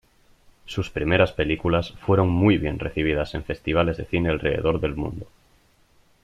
Sus primeras películas fueron muy bien recibidas en festivales de cine alrededor del mundo.